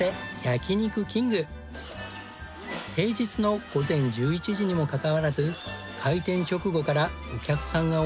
平日の午前１１時にもかかわらず開店直後からお客さんが押し寄せ。